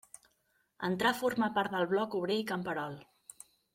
Entrar a formar part del Bloc Obrer i Camperol.